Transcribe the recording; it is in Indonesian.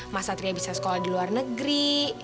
mas satria bisa sekolah di luar negeri